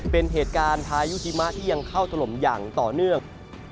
เป็นเหตุการณ์พายุหิมะที่ยังเข้าถล่มอย่างต่อเนื่อง